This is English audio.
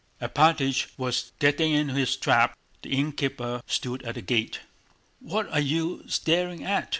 Alpátych was getting into his trap. The innkeeper stood at the gate. "What are you staring at?"